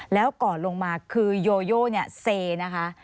แล้วก่อนลงมาคือโยโยเนี่ยเซนะคะ